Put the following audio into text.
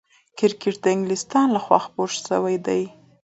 کرکټ د انګلستان له خوا خپور سوی دئ.